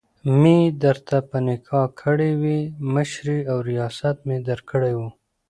مي درته په نکاح کړي وي، مشري او رياست مي درکړی وو